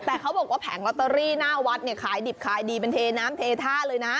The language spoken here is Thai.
แต่เขาบอกว่าแผงลอตเตอรี่หน้าวัดเนี่ยขายดิบขายดีเป็นเทน้ำเทท่าเลยนะ